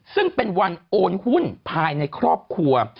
ซึ่งเป็นวันโอนหุ้นภายในครอบครัว